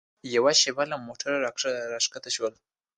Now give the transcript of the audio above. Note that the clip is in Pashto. یوه شېبه له موټره راښکته شولو.